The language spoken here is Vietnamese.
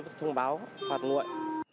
dán báo phạt nguội